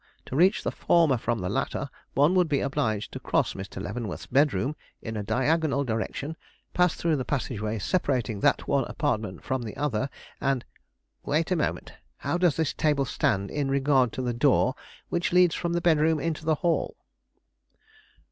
To reach the former from the latter, one would be obliged to cross Mr. Leavenworth's bedroom in a diagonal direction, pass through the passageway separating that one apartment from the other, and " "Wait a moment; how does this table stand in regard to the door which leads from the bedroom into the hall?"